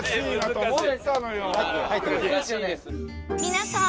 皆さん！